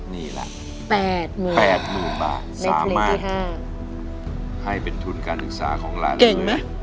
นี่แหละ๘๐๐๐บาทไม่เคลียร์ที่๕สามารถให้เป็นทุนการอึกษาของร้านนี้เก่งมั้ย